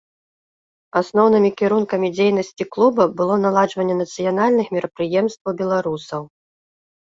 Асноўнымі кірункамі дзейнасці клуба было наладжванне нацыянальных мерапрыемстваў беларусаў.